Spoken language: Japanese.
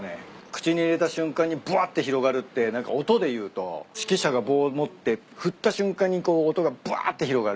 口に入れた瞬間にぶわって広がるって何か音で言うと指揮者が棒持って振った瞬間にこう音がぶわって広がる。